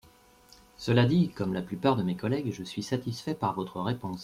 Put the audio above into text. Cela dit, comme la plupart de mes collègues, je suis satisfait par votre réponse.